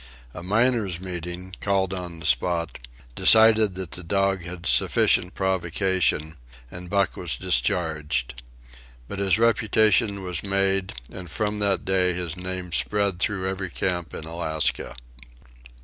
A "miners' meeting," called on the spot, decided that the dog had sufficient provocation, and Buck was discharged. But his reputation was made, and from that day his name spread through every camp in Alaska.